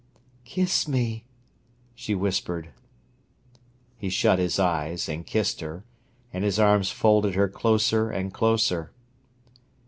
"Kiss me," she whispered. He shut his eyes, and kissed her, and his arms folded her closer and closer.